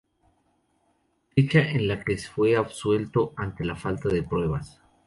Fecha en la que fue absuelto ante la falta de pruebas.